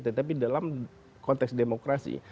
tetapi dalam konteks demokrasi